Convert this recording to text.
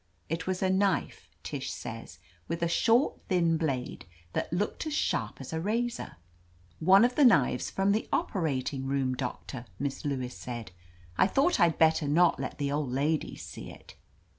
It was a knife, Tish says, with a short, thin blade that looked as sharp as a razor. "One of the knives from the operating nx>m. Doctor," Miss Lewis said. "I thought I'd bet ter not let the old ladies see it."